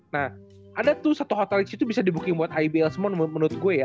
nah ada tuh satu hotel disitu bisa dibukin buat ibi semua menurut gue ya